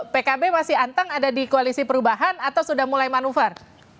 pkb masih antang ada di koalisi perubahan atau sudah mulai manuver